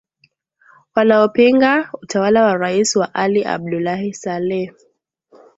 wanaopinga utawala wa rais wa ali abdulahi salleh